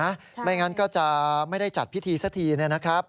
ไม่งั้นก็จะไม่ได้จัดพิธีสักทีนะครับ